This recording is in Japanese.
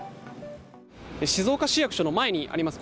静岡市役所の前にあります